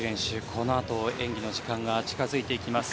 このあと、演技の時間が近付いていきます。